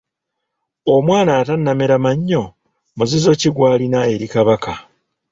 Omwana atannamera mannyo muzizo ki gw’alina eri Kabaka?